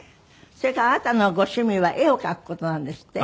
それからあなたのご趣味は絵を描く事なんですって？